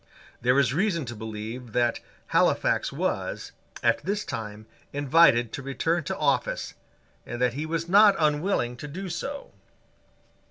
There is reason to believe that Halifax was, at this time, invited to return to office, and that he was not unwilling to do so.